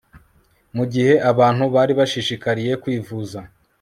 mu gihe abantu bari bashishikariye kwivuza